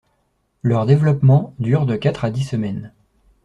Leur développement dure de quatre à dix semaines.